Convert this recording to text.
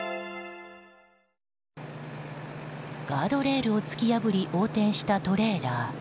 ガードレールを突き破り横転したトレーラー。